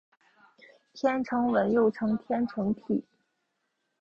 天城文又称天城体。